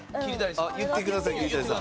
言ってください桐谷さん。